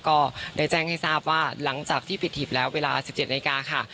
ก็ได้แจ้งให้ทราบว่าหลังจากที่ปิดหีบแล้วเวลา๑๗นาฬิกาค่ะ